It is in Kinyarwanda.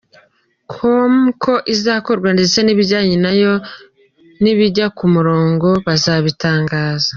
com ko izakorwa ndetse n’bijyanye nayo nibijya ku murongo ngo bazabitangaza.